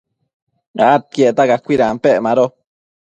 adquiecta cacuidampec mado